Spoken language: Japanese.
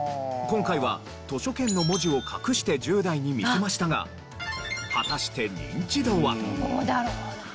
今回は「図書券」の文字を隠して１０代に見せましたが果たしてどうだろうな。